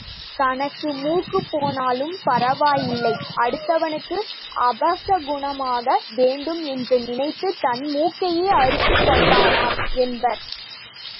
தனக்கு மூக்குப்போனாலும் பரவாயில்லை அடுத்தவனுக்கு அபச குனமாக வேண்டும் என்று நினைத்துத் தன் மூக்கையே அறுத்துக் கொண்டானாம் என்பர்.